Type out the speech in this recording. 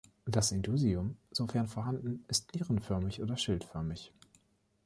Das Indusium, sofern vorhanden, ist nierenförmig oder schildförmig.